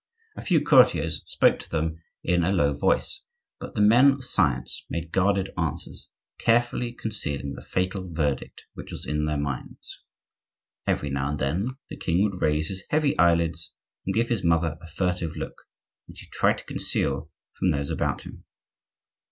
A few courtiers spoke to them in a low voice; but the men of science made guarded answers, carefully concealing the fatal verdict which was in their minds. Every now and then the king would raise his heavy eyelids and give his mother a furtive look which he tried to conceal from those about him.